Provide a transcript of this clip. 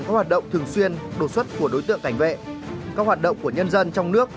các hoạt động thường xuyên đột xuất của đối tượng cảnh vệ các hoạt động của nhân dân trong nước